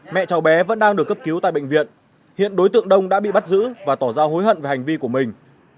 mẹ cháu bé vẫn đang được cấp cứu tại bệnh viện hiện đối tượng đông đã bị bắt giữ và tỏ ra hối hận về hành vi của mình